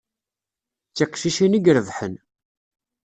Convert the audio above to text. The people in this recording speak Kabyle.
D tiqcicin i irebḥen.